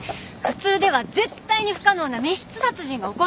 普通では絶対に不可能な密室殺人が起こったんです。